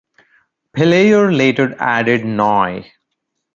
Palayer later added Noy.